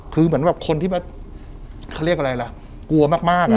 คือเหมือนคนที่กลัวมาก